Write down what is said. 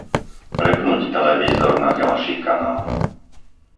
Prepnúť televízor na ďalší kanál.